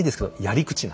やり口！